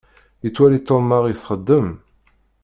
Yettwali Tom Mary txeddem.